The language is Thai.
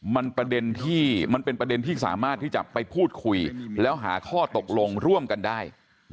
มันเป็นประเด็นที่สามารถที่จะไปพูดคุยแล้วหาข้อตกลงร่วมกันได้